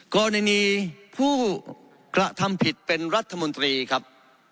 กรณีผู้กระทำผิดเป็นรัฐมนตรีครับ